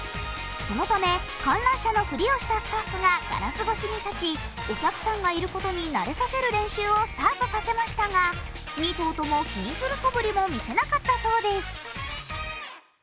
そのため観覧者のふりをしたスタッフがガラス越しに立ちお客さんがいることに慣れさせる練習をスタートさせましたが２頭とも気にするそぶりも見せなかったそうです。